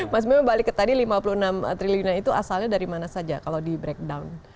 mas bima balik ke tadi lima puluh enam triliunan itu asalnya dari mana saja kalau di breakdown